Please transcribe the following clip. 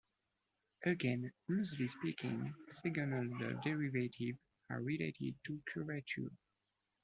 Again, loosely speaking, second order derivatives are related to curvature.